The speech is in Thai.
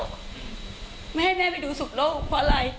ไม่ให้แม่ไปดูสุขโลกเพราะอะไร